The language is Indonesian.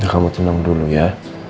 kamu tenang dulu ya